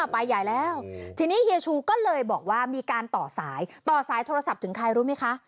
ใบใหญ่แล้วทีนี้เฮียชูก็เลยบอกว่ามีการต่อสายต่อสายโทรศัพท์ถึงใครรู้ไหมคะ